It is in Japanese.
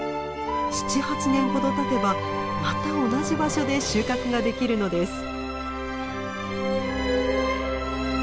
７８年ほどたてばまた同じ場所で収穫ができるのです。